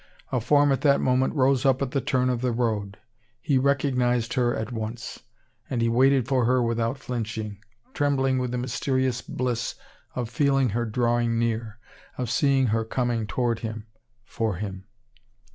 A form at that moment rose up at the turn of the road. He recognized her at once; and he waited for her without flinching, trembling with the mysterious bliss of feeling her drawing near, of seeing her coming toward him, for him.